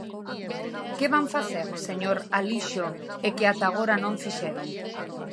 ¿Que van facer, señor Alixo, e que ata agora non fixeron?